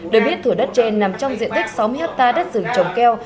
để biết thủ đất trên nằm trong diện tích sáu mươi hát ta đất rừng trồng keo